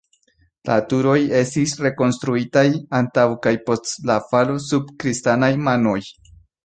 La turoj estis rekonstruitaj, antaŭ kaj post la falo sub kristanaj manoj.